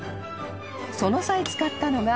［その際使ったのが］